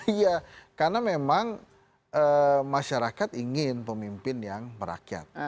iya karena memang masyarakat ingin pemimpin yang merakyat